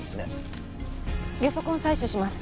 ゲソ痕採取します。